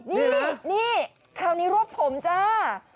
นี่นี่คราวนี้รวบผมจ้า